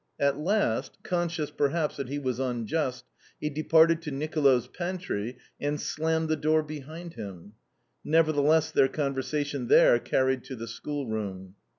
At last conscious, perhaps, that he was unjust he departed to Nicola's pantry, and slammed the door behind him. Nevertheless their conversation there carried to the schoolroom.